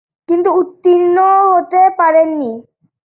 কিন্তু উত্তীর্ণ হতে পারেন নি।